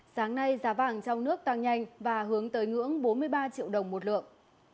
sáng nay giá vàng trong nước tăng nhanh và hướng tới ngưỡng bốn mươi ba triệu đồng một lượng